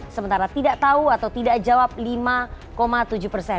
sementara tidak tahu atau tidak jawab lima tujuh persen